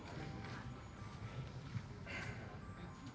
ตอนต่อไป